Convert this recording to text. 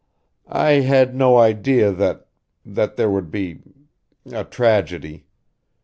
I had no idea that that there would be a tragedy.